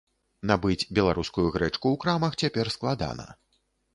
Набыць беларускую грэчку ў крамах цяпер складана.